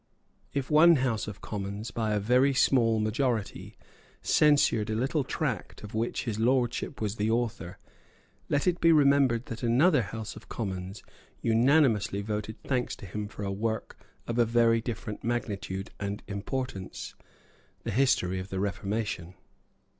If one House of Commons, by a very small majority, censured a little tract of which his Lordship was the author, let it be remembered that another House of Commons unanimously voted thanks to him for a work of very different magnitude and importance, the History of the Reformation.